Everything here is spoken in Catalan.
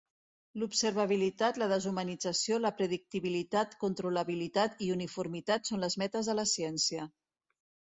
L'observabilitat, la deshumanització, la predictibilitat, controlabilitat i uniformitat són les metes de la ciència.